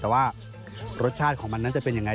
แต่ว่ารสชาติของมันนั้นจะเป็นยังไง